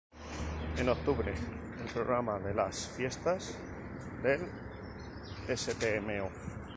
En octubre, el programa de las Fiestas del Stmo.